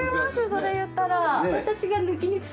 それ言ったら。